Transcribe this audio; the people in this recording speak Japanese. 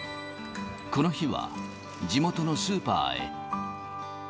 この日は地元のスーパーへ。